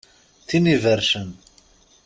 Tin ibercen.